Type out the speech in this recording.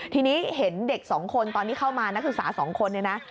ทีนี้เห็นเด็กสองคนตอนที่เข้ามานักศึกษา๒คนเนี่ยนะ